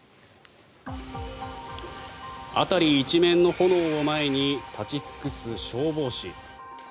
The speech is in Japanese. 辺り一面の炎を前に立ち尽くす消防士。